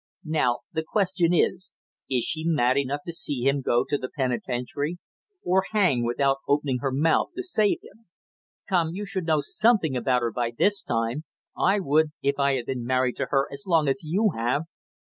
Now, the question is, is she mad enough to see him go to the penitentiary or hang without opening her mouth to save him? Come, you should know something about her by this time; I would, if I had been married to her as long as you have."